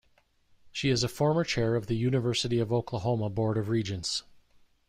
She is a former chair of the University of Oklahoma Board of Regents.